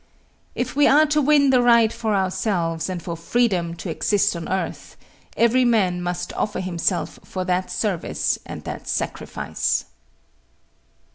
If we are to win the right for ourselves and for freedom to exist on earth, every man must offer himself for that service and that sacrifice.